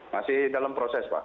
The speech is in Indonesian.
masih dalam proses